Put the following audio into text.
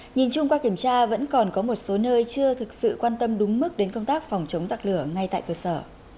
nhìn chung qua kiểm tra vẫn còn có một số nơi chưa thực sự quan tâm đúng mức đến công tác phòng chống giặc lửa ngay tại cơ sở